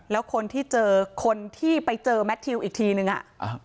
แล้วคนที่ไปเจอแมททิวอีกทีนึงอ่ะ